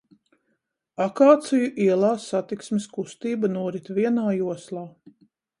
Akāciju ielā satiksmes kustība norit vienā joslā.